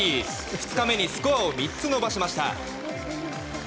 ２日目にスコアを３つ伸ばしました。